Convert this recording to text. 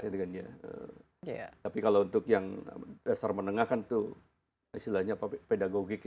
tapi kalau untuk yang dasar menengah kan hasilnya pedagogik